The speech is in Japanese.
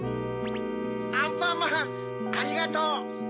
アンパンマンありがとう！